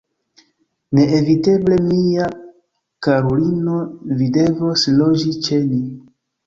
Neeviteble, mia karulino, vi devos loĝi ĉe ni.